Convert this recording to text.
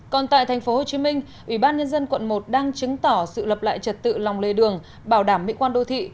còn tại tp hcm ủy ban nhân dân quận một đang chứng tỏ sự lập lại trật tự lòng lề đường bảo đảm mỹ quan đô thị